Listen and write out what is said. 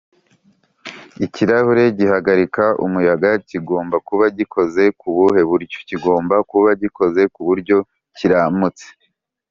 ikirahure gihagarika umuyaga kigomba kuba gikoze kubuhe buryo?kigomba kuba gikoze kuburyo kiramutse